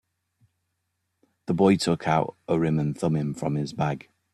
The boy took out Urim and Thummim from his bag.